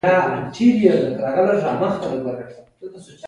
پښتو ژبه د نړیوالو ژبو تر سیوري لاندې ده.